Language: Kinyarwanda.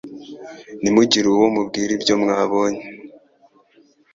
Ntimugire uwo mubwira ibyo mwabonye.